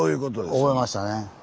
覚えましたね。